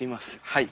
はい。